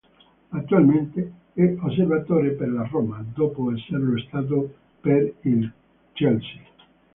Attualmente è osservatore per la Roma, dopo esserlo stato per il Chelsea.